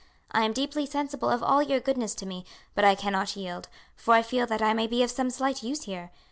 I am deeply sensible of all your goodness to me, but I cannot yield, for I feel that I may be of some slight use here.